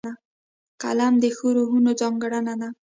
قلم د ښو روحونو ځانګړنه ده